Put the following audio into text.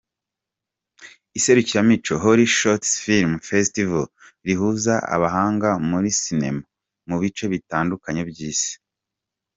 Iserukiramuco HollyShorts Film Festival rihuza abahanga muri sinema mu bice bitandukanye by’Isi.